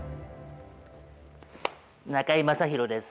中居正広です